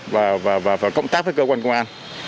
và cộng tác với cơ quan công an